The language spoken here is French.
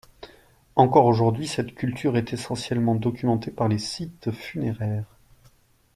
Encore aujourd'hui, cette culture est essentiellement documentée par les sites funéraires.